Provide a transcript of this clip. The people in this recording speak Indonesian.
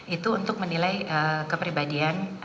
itu untuk menilai kepribadian